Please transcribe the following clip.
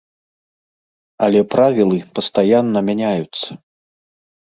Але правілы пастаянна мяняюцца.